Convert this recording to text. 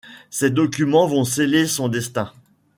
Ces documents vont sceller son destin.